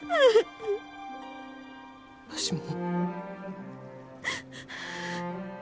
わしも。